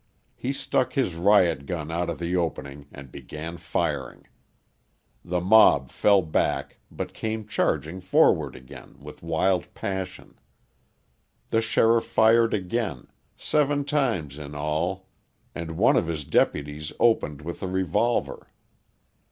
He stuck his riot gun out of the opening and began firing. The mob fell back but came charging forward again, wild with passion. The sheriff fired again, seven times in all, and one of his deputies opened with a revolver.